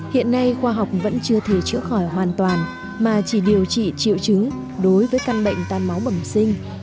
hiện nay khoa học vẫn chưa thể chữa khỏi hoàn toàn mà chỉ điều trị triệu chứng đối với căn bệnh tan máu bẩm sinh